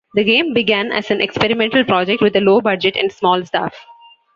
The game began as an experimental project with a low budget and small staff.